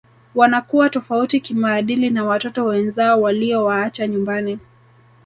Wanakuwa tofauti kimaadili na watoto wenzao waliowaacha nyumbani